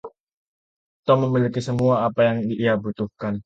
Tom memiliki semua yang ia butuhkan.